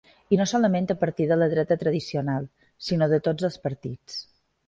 I no solament a partir de la dreta tradicional, sinó de tots els partits.